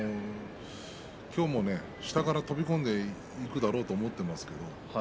今日も下から飛び込んでいくだろうと思っています。